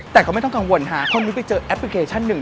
แต่ก็ไม่ต้องกังวลค่ะคนนี้ไปเจอแอปพลิเคชันหนึ่ง